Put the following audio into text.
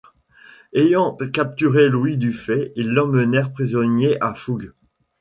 Ayant capturé Louis du Fay ils l'emmenèrent prisonnier à Foug.